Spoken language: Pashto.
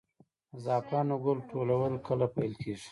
د زعفرانو ګل ټولول کله پیل کیږي؟